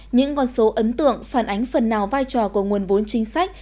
những con số ấn tượng phản ánh phần nào vai trò của nguồn vốn chính sách